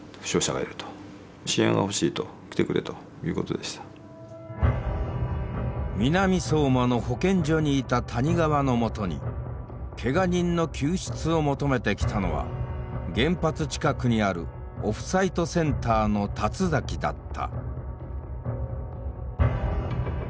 でふとこの爆発で南相馬の保健所にいた谷川のもとにけが人の救出を求めてきたのは原発近くにあるオフサイトセンターの立だった。